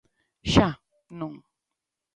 Xa, non.